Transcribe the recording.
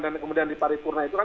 dan kemudian di pari purna itu kan